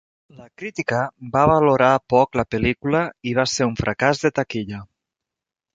La crítica va valorar poc la pel·lícula i va ser un fracàs de taquilla.